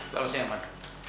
selamat siang man